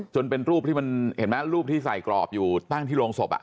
เป็นรูปที่มันเห็นไหมรูปที่ใส่กรอบอยู่ตั้งที่โรงศพ